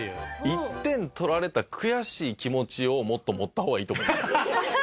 １点とられた悔しい気持ちをもっと持った方がいいと思いますよ。